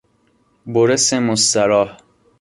برس مستراح